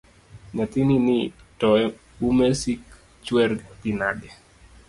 Nyathinini to ume sik chwer pi nade?